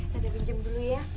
tete pinjem dulu ya